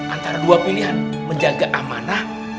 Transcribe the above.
antara dua pilihan menjaga amanah